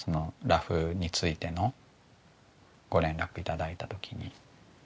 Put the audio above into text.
ラフについてのご連絡頂いた時に。